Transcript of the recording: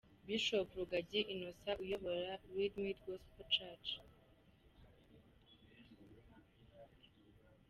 Bishop Rugagi Innocent uyobora Redeemed Gospel Church.